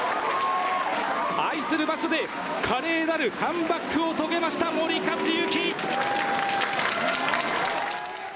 愛する場所で華麗なるカムバックを遂げました、森且行。